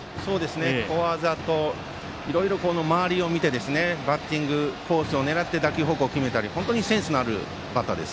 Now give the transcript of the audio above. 小技といろいろ周りを見てバッティングコースを狙って打球方向を決めたり本当にセンスのあるバッターです。